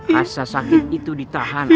rasa sakit itu ditahan